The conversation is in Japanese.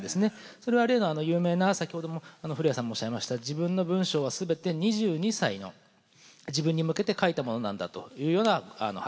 それは例のあの有名な先ほども古屋さんもおっしゃいました自分の文章は全て２２歳の自分に向けて書いたものなんだというような発言がある。